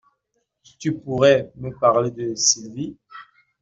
Tu pourrais me parler de Sylvie?